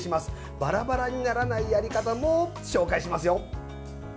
バラバラにならないやり方も紹介しますよ。